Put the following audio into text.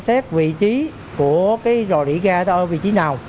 xét vị trí của cái rò rỉ ga đó ở vị trí nào